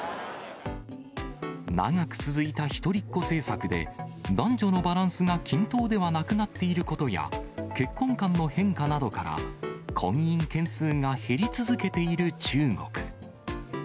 長く続いた一人っ子政策で、男女のバランスが均等ではなくなっていることや、結婚観の変化などから、婚姻件数が減り続けている中国。